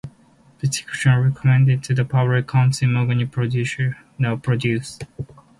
The dietician recommended the public to consume organic produce.